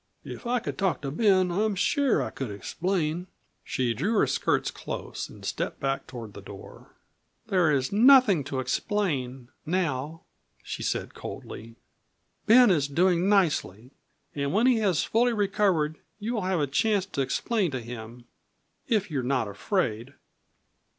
If I could talk to Ben I'm sure I could explain " She drew her skirts close and stepped back toward the door. "There is nothing to explain now," she said coldly. "Ben is doing nicely, and when he has fully recovered you will have a chance to explain to him if you are not afraid."